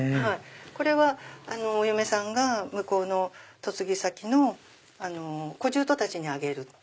これはお嫁さんが向こうの嫁ぎ先の小じゅうとたちにあげる。